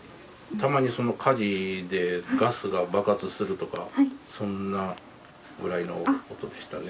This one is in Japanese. たまに火事でガスが爆発するとか、そんなぐらいの音でしたね。